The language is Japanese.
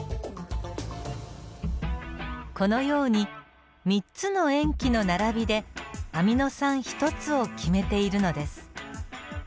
このように３つの塩基の並びでアミノ酸１つを決めているのです。